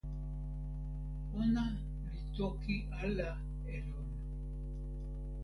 ona li toki ala e lon.